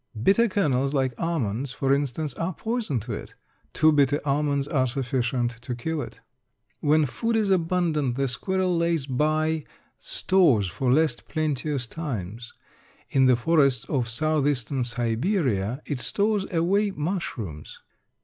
Bitter kernels, like almonds, for instance, are poison to it; two bitter almonds are sufficient to kill it. When food is abundant the squirrel lays by stores for less plenteous times. In the forests of southeastern Siberia it stores away mushrooms.